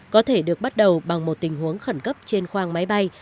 có thể được bắt đầu bằng một tình huống khẩn cấp trên khoang máy bay